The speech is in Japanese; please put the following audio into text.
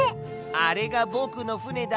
あれがぼくのふねだ。